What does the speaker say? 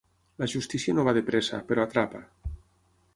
La justícia no va de pressa, però atrapa.